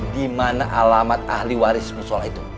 dimana alamat ahli waris musyola itu